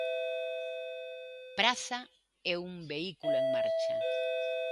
Praza é un vehículo en marcha.